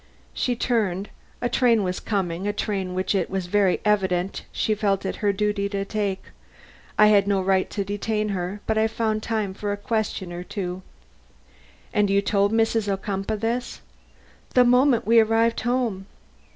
She turned; a train was coming, a train which it was very evident she felt it her duty to take. I had no right to detain her, but I found time for a question or two. "And you told Mrs. Ocumpaugh this?" "The moment we arrived home."